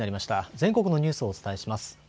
全国のニュースをお伝えします。